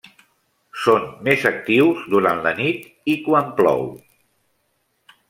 Són més actius durant la nit i quan plou.